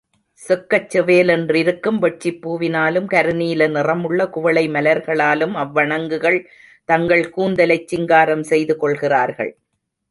செக்கச் செவேலென்றிருக்கும் வெட்சிப் பூவினாலும் கருநீல நிறமுள்ள குவளை மலர்களாலும் அவ்வணங்குகள் தங்கள் கூந்தலைச் சிங்காரம் செய்து கொள்கிறார்கள்.